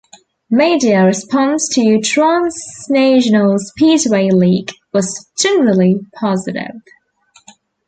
Media response to "Transnational Speedway League" was generally positive.